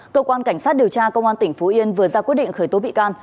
cơ quan cảnh sát điều tra công an tỉnh phú yên vừa ra quyết định khởi tố bị can